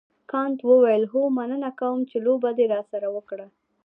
کانت وویل هو مننه کوم چې لوبه دې راسره وکړه.